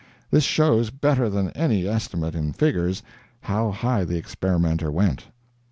This shows, better than any estimate in figures, how high the experimenter went.